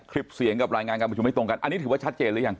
คลิปเสียงกับรายงานการประชุมไม่ตรงกันอันนี้ถือว่าชัดเจนหรือยัง